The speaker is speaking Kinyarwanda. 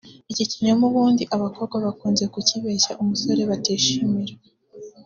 iki kinyoma ubundi abakobwa bakunze kukibeshya umusore batishimira